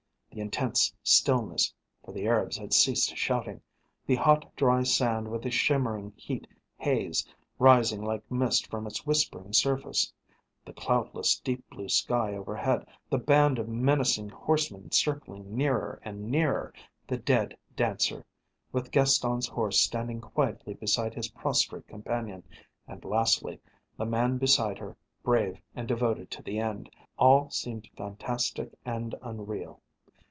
The intense stillness for the Arabs had ceased shouting the hot, dry sand with the shimmering heat haze rising like mist from its whispering surface, the cloudless deep blue sky overhead, the band of menacing horsemen circling nearer and nearer, the dead Dancer, with Gaston's horse standing quietly beside his prostrate companion, and lastly, the man beside her, brave and devoted to the end, all seemed fantastic and unreal.